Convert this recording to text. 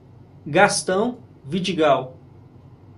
Gastão Vidigal